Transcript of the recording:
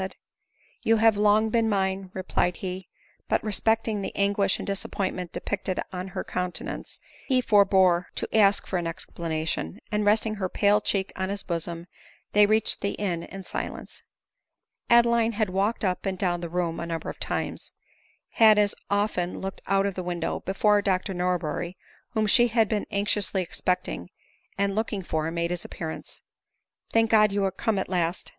" You have long been mine," replied he ; but respecting the anguish and disappointment depicted on her countenance, he forbore to ask for an explanation ; and resting her pale cheek on his bosom, they reached the inn in silence. Adeline had walked up and down the room a number of times, had as often looked out of the window, before Dr Norberry, whom she had been anxiously expecting and looking for, made his appearance. " Thank God, you are come at last